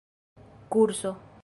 kurso